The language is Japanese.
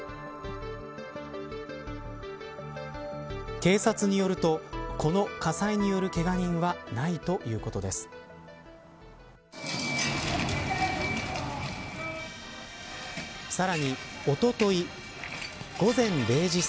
警察によるとこの火災によるけが人はないということです。